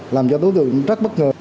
làm cho đối tượng rất bất ngờ